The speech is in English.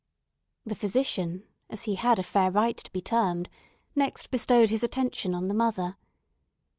The physician, as he had a fair right to be termed, next bestowed his attention on the mother.